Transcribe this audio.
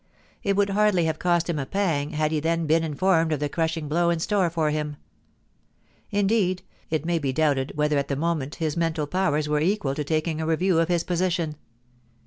It would hardly have cost him a pang had he then been in formed of the crushing blow in store for him ; indeed, it may be doubted whether at the moment his mental powers were equal to taking a review of his position.